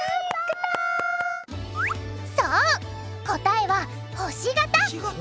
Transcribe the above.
そう答えは「星型」！